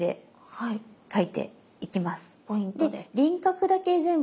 はい。